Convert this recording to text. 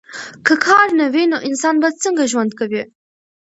که کار نه وي نو انسان به څنګه ژوند کوي؟